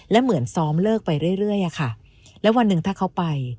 และเหมือนซ้อมเลิกไปเรื่อยอะค่ะแล้ววันหนึ่งถ้าเขาไป